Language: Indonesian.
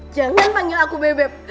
jangan panggil aku beb